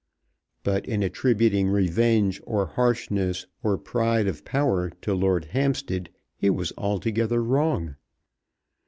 But in attributing revenge, or harshness, or pride of power to Lord Hampstead he was altogether wrong.